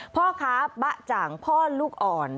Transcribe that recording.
พ่อค้าบะจ่างพ่อลูกอ่อน